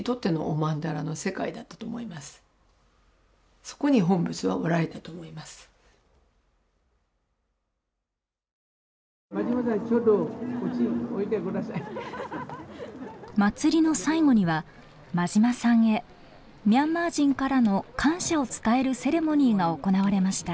祭りの最後には馬島さんへミャンマー人からの感謝を伝えるセレモニーが行われました。